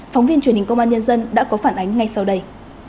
phóng viên truyền hình công an nhân dân đã có phản ánh ngay sau đây